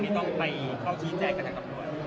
ที่ต้องไปเข้าชี้แจกันกับรวม